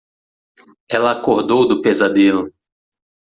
Ela acordou do pesadelo.